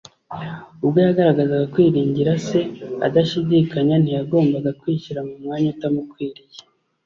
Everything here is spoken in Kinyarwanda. Ubwo yagaragazaga kwiringira Se adashidikanya, ntiyagombaga kwishyira mu mwanya utamukwiriye